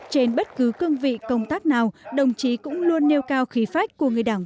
trên bất cứ cương vị công tác nào đồng chí cũng luôn nêu cao khí phách của người đảng